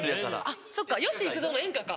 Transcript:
あっそっか吉幾三も演歌か。